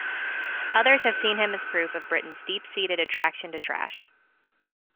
Others have seen him as proof of Britain's deep-seated attraction to trash.